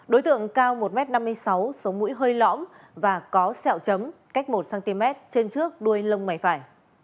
đối tượng cao một m năm mươi sáu sống mũi hơi lõm và có sẹo chấm cách một cm trên trước đuôi lông mày phải